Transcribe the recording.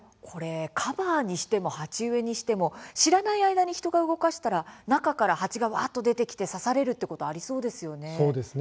カバーにしても鉢植えにしても知らない間に人が動かしたら中から蜂が出てきて刺されるということがありそうですね。